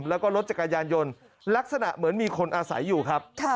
แล้วก็รถจักรยานยนต์ลักษณะเหมือนมีคนอาศัยอยู่ครับ